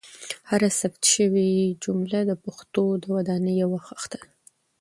هره ثبت شوې جمله د پښتو د ودانۍ یوه خښته ده.